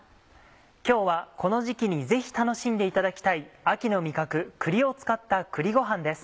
今日はこの時期にぜひ楽しんでいただきたい秋の味覚栗を使った「栗ごはん」です。